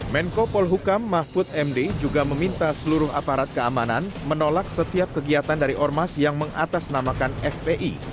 menko polhukam mahfud md juga meminta seluruh aparat keamanan menolak setiap kegiatan dari ormas yang mengatasnamakan fpi